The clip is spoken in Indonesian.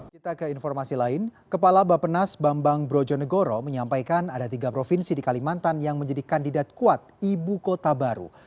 kita ke informasi lain kepala bapenas bambang brojonegoro menyampaikan ada tiga provinsi di kalimantan yang menjadi kandidat kuat ibu kota baru